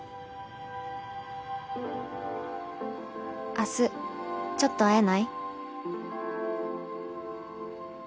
「明日ちょっと会えない？」。